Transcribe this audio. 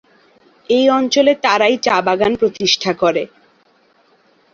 এই অঞ্চলে তারাই চা বাগান প্রতিষ্ঠা করে।